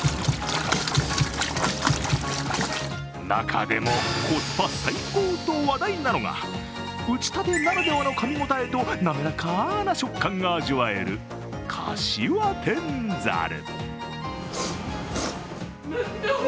中でもコスパ最強と話題なのが、打ち立てならではのかみ応えと滑かな食感が味わえるかしわ天ざる。